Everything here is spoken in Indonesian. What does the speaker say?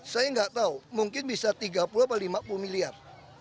saya nggak tahu mungkin bisa tiga puluh atau lima puluh miliar